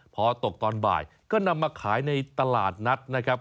พอตกตอนบ่ายก็นำมาขายในตลาดนัดนะครับ